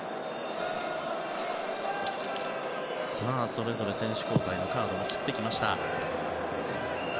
それぞれ選手交代のカードを切ってきました。